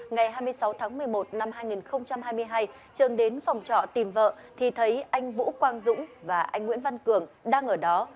ngày hai mươi sáu tháng một mươi một năm hai nghìn hai mươi hai trường đến phòng trọ tìm vợ thì thấy anh vũ quang dũng và anh nguyễn văn cường đang ở đó